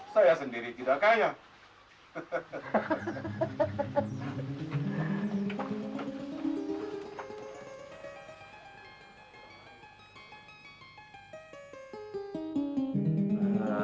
saya sendiri tidak kaya